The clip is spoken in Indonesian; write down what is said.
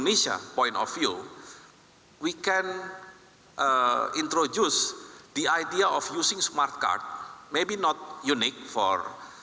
kita mencoba menggunakan kartu pintar